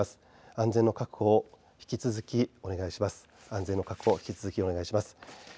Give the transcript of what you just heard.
安全の確保を引き続きお願いします。